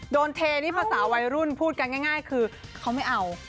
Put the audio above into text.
เทนี่ภาษาวัยรุ่นพูดกันง่ายคือเขาไม่เอา